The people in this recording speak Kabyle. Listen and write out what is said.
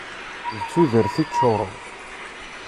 D tudert i ččureɣ.